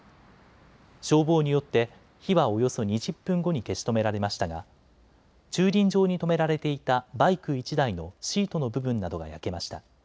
消防によって火はおよそ２０分後に消し止められましたが駐輪場に止められていたバイク１台のシートの部分などが焼けました。